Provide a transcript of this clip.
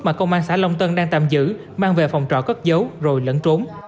mà công an xã long tân đang tạm giữ mang về phòng trọ cất giấu rồi lẫn trốn